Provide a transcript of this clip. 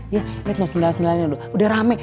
ya lihat no sindalan sindalannya udah rame